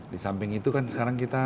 di samping itu kan sekarang kita